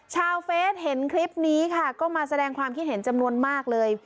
เฟสเห็นคลิปนี้ค่ะก็มาแสดงความคิดเห็นจำนวนมากเลย